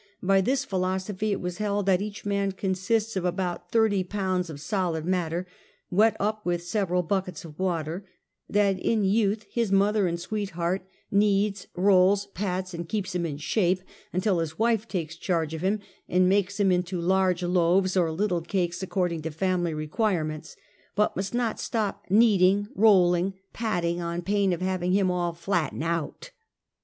By this philosophy it was held that each man consists of about thirty pounds of solid mat ter, wet up with several buckets of water; that in youth his mother and sweetheart, kneads, rolls, pats and keeps him in shape, until his wife takes charge of him and makes him into large loaves or little cakes, according to family requirements; but must not stop kneading, rolling, patting, on pain of having him all flatten out.